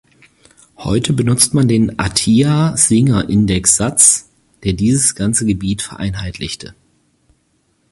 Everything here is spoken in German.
Heute benutzt man den Atiyah-Singer-Indexsatz, der dieses ganze Gebiet vereinheitlichte.